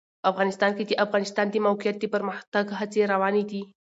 افغانستان کې د د افغانستان د موقعیت د پرمختګ هڅې روانې دي.